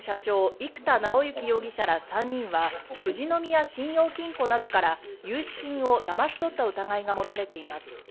生田尚之容疑者ら３人は富士宮信用金庫などから融資金をだまし取った疑いが持たれています。